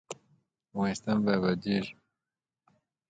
افغانستان به ابادیږي